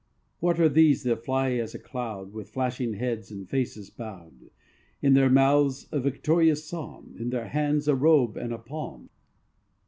What are these that fly as a cloud, With flashing heads and faces bowed, In their mouths a victorious psalm, In their hands a robe and a palm?